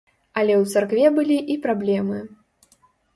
Але ў царкве былі і праблемы.